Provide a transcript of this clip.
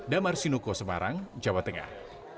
damar sinuko semarang jawa tengah